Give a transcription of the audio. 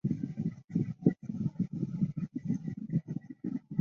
而其他哺乳动物则形状形态各不相同。